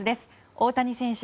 大谷選手